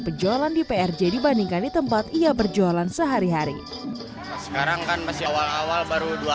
penjualan di prj dibandingkan di tempat ia berjualan sehari hari sekarang kan masih awal awal baru dua